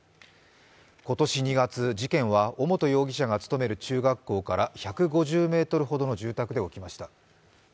今年２月、事件は尾本容疑者が勤める中学校から１５０ｍほどの住宅で起きました。